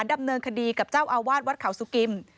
ดำเนินคดีกับเจ้าอาวาสวัดเขาสุกิม